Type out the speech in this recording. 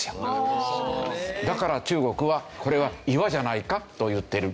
だから中国は「これは岩じゃないか」と言ってる。